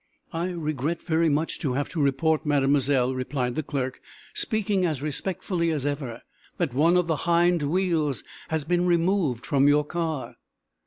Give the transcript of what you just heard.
"I regret very much to have to report, Mademoiselle," replied the clerk, speaking as respectfully as ever, "that one of the hind wheels has been removed from your car."